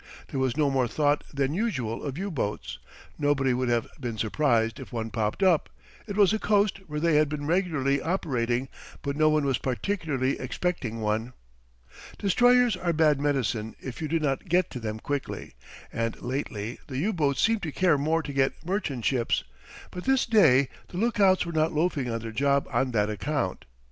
There was no more thought than usual of U boats. Nobody would have been surprised if one popped up it was a coast where they had been regularly operating but no one was particularly expecting one. Destroyers are bad medicine if you do not get to them quickly, and lately the U boats seemed to care more to get merchant ships; but this day the lookouts were not loafing on their job on that account.